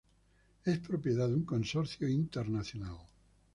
Es propiedad de un consorcio internacional.